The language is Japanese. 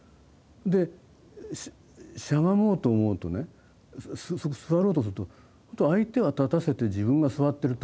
でしゃがもうと思うとね座ろうとすると相手は立たせて自分が座ってるってことになっちゃうと。